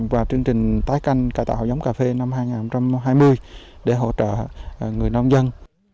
và chương trình tái canh cải tạo giống cà phê năm hai nghìn hai mươi để hỗ trợ người nông dân